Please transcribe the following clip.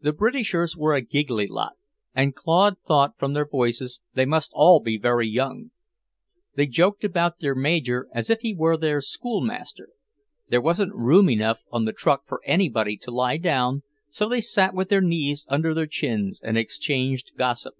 The Britishers were a giggly lot, and Claude thought, from their voices, they must all be very young. They joked about their Major as if he were their schoolmaster. There wasn't room enough on the truck for anybody to lie down, so they sat with their knees under their chins and exchanged gossip.